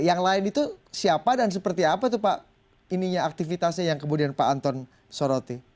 yang lain itu siapa dan seperti apa tuh pak ininya aktivitasnya yang kemudian pak anton soroti